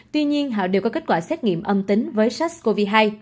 tuy nhiên họ đều có kết quả xét nghiệm âm tính với sars cov hai